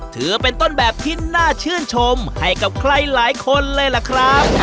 ถือเป็นต้นแบบที่น่าชื่นชมให้กับใครหลายคนเลยล่ะครับ